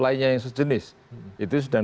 lainnya yang sejenis itu sudah